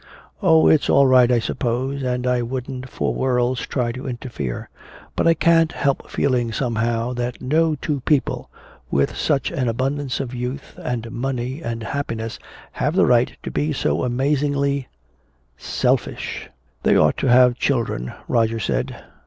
Oh, it's all right, I suppose, and I wouldn't for worlds try to interfere. But I can't help feeling somehow that no two people with such an abundance of youth and money and happiness have the right to be so amazingly selfish!" "They ought to have children," Roger said.